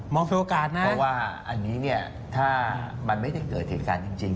มีโอกาสนะเพราะว่าอันนี้เนี่ยถ้ามันไม่ได้เกิดเหตุการณ์จริง